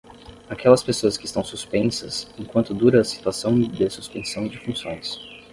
Aquelas pessoas que estão suspensas, enquanto dura a situação de suspensão de funções.